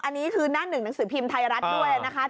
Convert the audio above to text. อันนี้คือหน้าหนึ่งหนังสือพิมพ์ไทยรัฐด้วยนะคะ